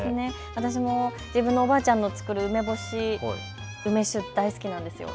私も自分のおばあちゃんの作る梅干し、梅酒、大好きなんです。